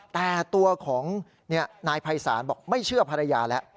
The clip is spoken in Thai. แต่ตัวของนายภัยศาลบอกไม่เชื่อภรรยาแล้ว